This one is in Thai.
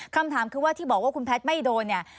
คำถามคือว่าที่บอกว่าคุณแพทย์ไม่โดนเนี่ย